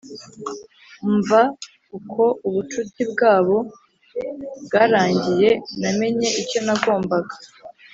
Mva uko ubucuti bwabo bwarangiye namenye icyo nagombaga